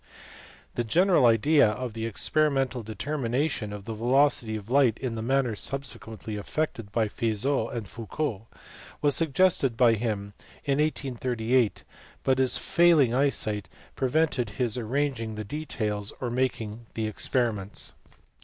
The general idea of the experimental determination of the velocity of light in the manner subsequently effected by Fizeau and Foucault was suggested by him in 1838, but his failing eyesight pre vented his arranging the details or making the experiments.